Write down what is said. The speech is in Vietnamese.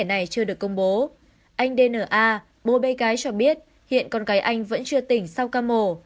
anh dna bố bê gái cho biết hiện con gái anh vẫn chưa tỉnh sau ca mổ